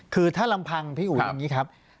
คือถ้าลำพังพี่อุ๋ยอย่างนี้ครับ